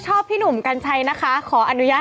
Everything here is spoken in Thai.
เป็นการกระตุ้นการไหลเวียนของเลือด